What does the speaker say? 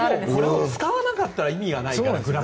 でも使わなかったら意味がないから。